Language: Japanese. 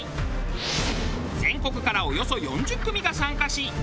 全国からおよそ４０組が参加しＢ